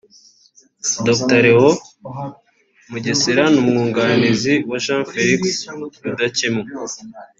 Dr Léon Mugesera n’Umwunganizi we Jean Félix Rudakemwa